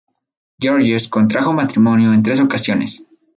Georges, contrajo matrimonio en tres ocasiones.